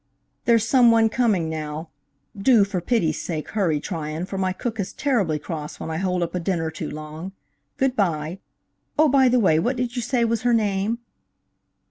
There's some one coming now. Do, for pity's sake, hurry, Tryon, for my cook is terribly cross when I hold up a dinner too long. Good by. Oh, by the way, what did you say was her name?"